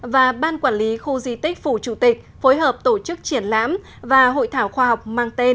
và ban quản lý khu di tích phủ chủ tịch phối hợp tổ chức triển lãm và hội thảo khoa học mang tên